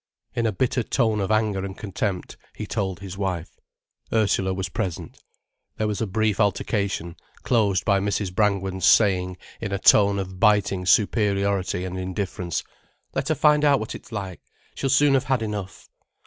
In a bitter tone of anger and contempt he told his wife. Ursula was present. There was a brief altercation, closed by Mrs. Brangwen's saying, in a tone of biting superiority and indifference: "Let her find out what it's like. She'll soon have had enough."